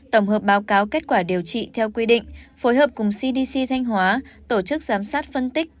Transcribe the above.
tổng hợp báo cáo kết quả điều trị theo quy định phối hợp cùng cdc thanh hóa tổ chức giám sát phân tích